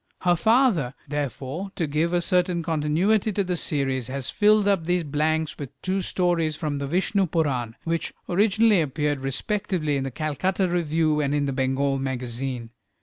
Her father, therefore, to give a certain continuity to the series, has filled up these blanks with two stories from the "Vishnupurana," which originally appeared respectively in the "Calcutta Review" and in the "Bengal Magazine."